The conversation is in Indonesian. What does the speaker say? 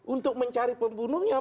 untuk mencari pembunuhnya